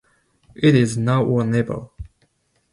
It is now or never.